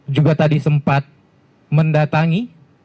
juga tadi sempat mendatangi